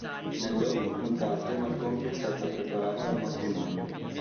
Nelle otto puntate la coppia è stata preparata al matrimonio.